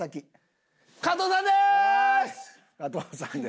加藤さんです！